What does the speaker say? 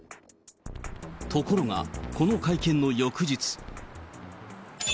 ところがこの会見の翌日。